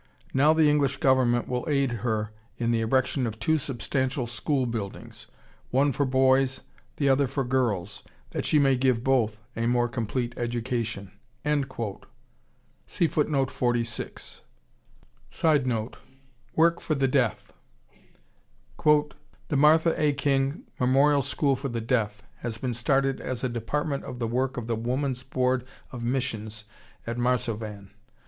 Now the English Government will aid her in the erection of two substantial school buildings, one for boys, the other for girls, that she may give both a more complete education." [Sidenote: Work for the deaf.] "The Martha A. King Memorial School for the Deaf has been started as a department of the work of the Woman's Board of Missions at Marsovan.